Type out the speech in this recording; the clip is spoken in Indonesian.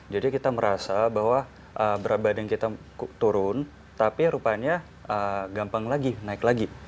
jadi kita merasa bahwa berat badan kita turun tapi rupanya gampang lagi naik lagi